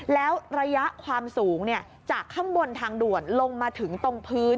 แล้วระยะความสูงจากข้างบนทางด่วนลงมาถึงตรงพื้น